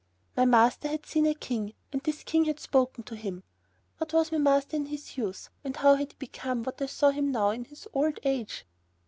My master had seen a king, and this king had spoken to him! What was my master in his youth, and how had he become what I saw him now in his old age?...